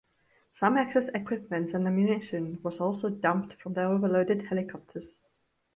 Some excess equipment and ammunition was also dumped from the overloaded helicopters.